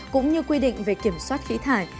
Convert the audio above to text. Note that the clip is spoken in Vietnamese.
cũng như quy định về kiểm soát khí thải